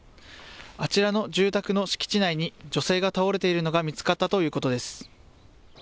あちらの住宅の敷地内に女性が倒れているのが見つかったということです。